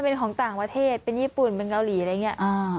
เป็นของต่างประเทศเป็นญี่ปุ่นเป็นเกาหลีอะไรอย่างนี้